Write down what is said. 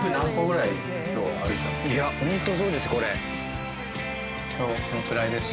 いやホントそうですこれ。